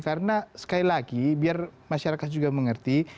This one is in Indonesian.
karena sekali lagi biar masyarakat juga mengerti